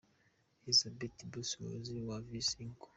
Elizabeth Buse, Umuyobozi wa Visa Inc.